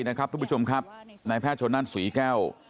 นายแพทย์ชนนั่นสุยแก้ว